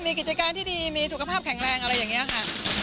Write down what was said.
มีกิจการที่ดีมีสุขภาพแข็งแรงอะไรอย่างนี้ค่ะ